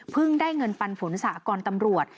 เพิ่งได้เงินฟันฝนศาลกรณ์ตำรวจ